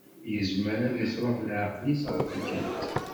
Yezmer ad isruḥ leɛqel-is ɣef tikkelt.